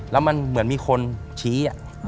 แล้วมันเหมือนมีคนชี้